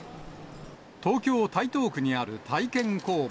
東京・台東区にある体験工房。